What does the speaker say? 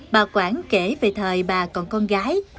bà quảng kể về thời bà còn con gái